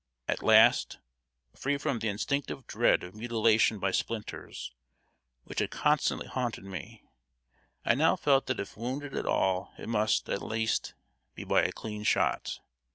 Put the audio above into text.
At last, free from the instinctive dread of mutilation by splinters, which had constantly haunted me, I now felt that if wounded at all it must, at least, be by a clean shot.